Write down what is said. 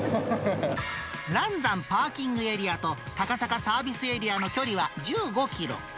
嵐山パーキングエリアと高坂サービスエリアの距離は１５キロ。